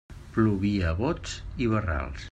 Plovia a bots i barrals.